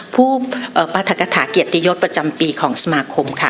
ผู้ปรัฐกฐาเกียรติยศประจำปีของสมาคมค่ะ